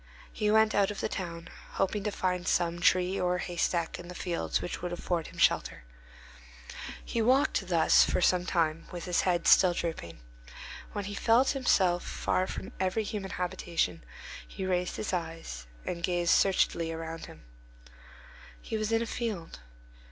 He went out of the town, hoping to find some tree or haystack in the fields which would afford him shelter. He walked thus for some time, with his head still drooping. When he felt himself far from every human habitation, he raised his eyes and gazed searchingly about him. He was in a field.